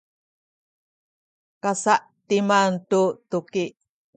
kasa’timan tu tuki